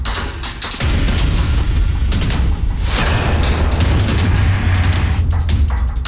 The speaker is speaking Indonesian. aku sampei satu lc